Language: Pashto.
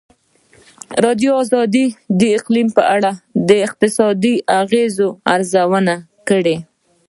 ازادي راډیو د اقلیم په اړه د اقتصادي اغېزو ارزونه کړې.